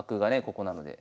ここなので。